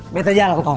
beta jalan kawan